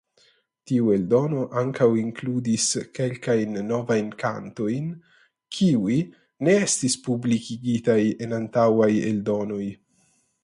Tiu eldono ankaŭ inkludis kelkajn novajn kantojn kiuj ne estis publikigitaj en antaŭaj eldonoj.